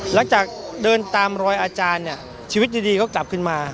หลังจากเดินตามรอยอาจารย์เนี่ยชีวิตดีก็กลับขึ้นมา